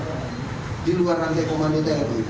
tidak ada di luar rantai komando tni